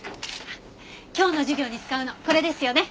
今日の授業に使うのこれですよね？